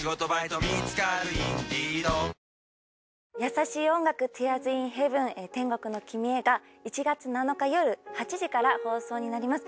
『優しい音楽ティアーズ・イン・ヘヴン天国のきみへ』が１月７日夜８時から放送になります。